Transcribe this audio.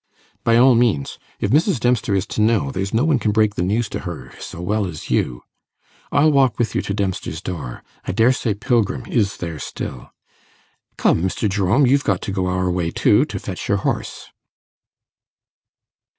'By all means: if Mrs. Dempster is to know, there's no one can break the news to her so well as you. I'll walk with you to Dempster's door. I dare say Pilgrim is there still. Come, Mr. Jerome, you've got to go our way too, to fetch your horse.